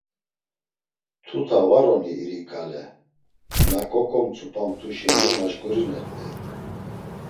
Tuta var oni iri ǩale na ǩoǩomtzupamt̆u şeni maşǩurinert̆ey.